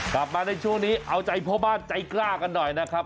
กลับมาในช่วงนี้เอาใจพ่อบ้านใจกล้ากันหน่อยนะครับ